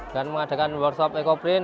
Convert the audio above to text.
dan mengadakan workshop ecoprint